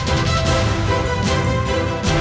saya akan menjaga kebenaran raden